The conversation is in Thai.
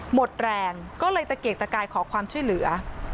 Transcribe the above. หมดแรงก็เลยตะเกกตะกายขอความช่วยเหลือ